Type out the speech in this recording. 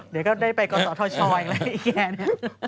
เดี๋ยวก็ได้ไปก่อนต่อท่อช่อยแล้วไอ้แกเนี่ย